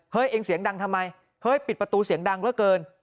เองเสียงดังทำไมเฮ้ยปิดประตูเสียงดังเหลือเกิน